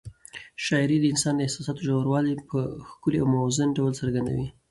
شاعري د انسان د احساساتو ژوروالی په ښکلي او موزون ډول څرګندوي.